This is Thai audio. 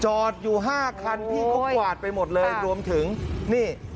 อยู่ห้าคันพี่ก็กวาดไปหมดเลยรวมถึงนี่